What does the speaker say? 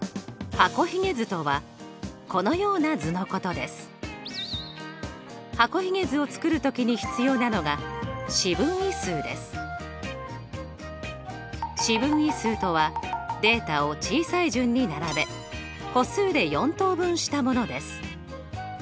箱ひげ図を作る時に必要なのが四分位数とはデータを小さい順に並べ個数で４等分したものです。